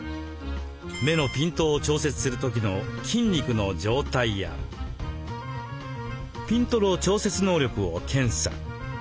目のピントを調節する時の筋肉の状態やピントの調節能力を検査。